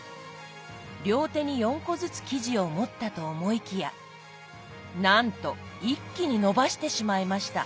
両手に４個ずつ生地を持ったと思いきやなんと一気に伸ばしてしまいました。